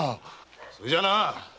そいじゃあな！